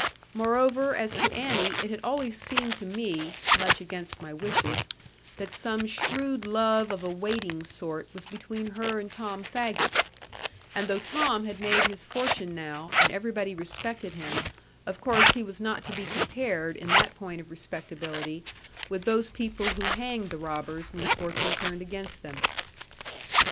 Moreover, as to Annie, it had always seemed to me (much against my wishes) that some shrewd love of a waiting sort was between her and Tom Faggus: and though Tom had made his fortune now, and everybody respected him, of course he was not to be compared, in that point of respectability, with those people who hanged the robbers when fortune turned against them.